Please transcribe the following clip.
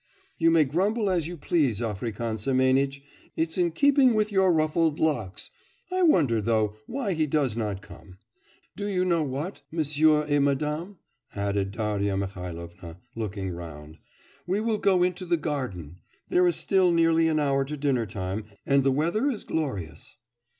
'You may grumble as you please, African Semenitch.... It's in keeping with your ruffled locks.... I wonder, though, why he does not come. Do you know what, messieurs et mesdames' added Darya Mihailovna, looking round, 'we will go into the garden. There is still nearly an hour to dinner time and the weather is glorious.